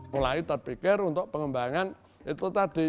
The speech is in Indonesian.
mulai terpikir untuk pengembangan itu tadi